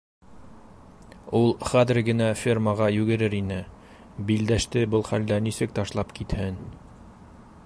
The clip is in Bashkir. - Ул хәҙер генә фермаға йүгерер ине - Билдәште был хәлдә нисек ташлап китһен?!